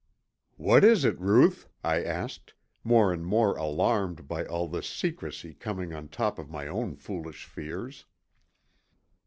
"What is it, Ruth?" I asked, more and more alarmed by all this secrecy coming on top of my own foolish fears.